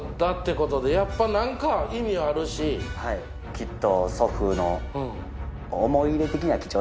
きっと。